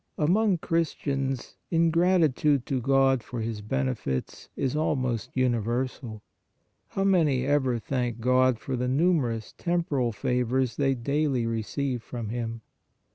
Among Christians ingratitude to God for His benefits is almost universal. How many ever thank God for the numerous temporal favors they daily 94 PRAYER receive from Him!